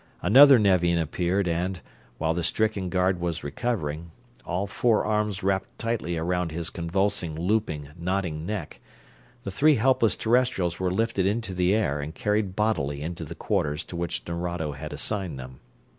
Another Nevian appeared and, while the stricken guard was recovering, all four arms wrapped tightly around his convulsively looping, knotting neck, the three helpless Terrestrials were lifted into the air and carried bodily into the quarters to which Nerado had assigned them.